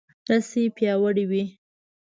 رسۍ ډیره پیاوړې وي.